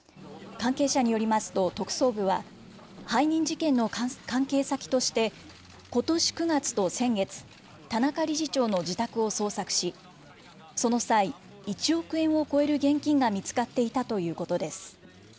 関係者によりますと特捜部は、背任事件の関係先として、ことし９月と先月、田中理事長の自宅を捜索し、その際、１億円を超える現金が見つかっていたということです。